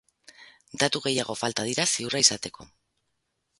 Datu gehiago falta dira ziurra izateko.